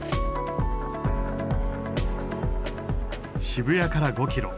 渋谷から５キロ。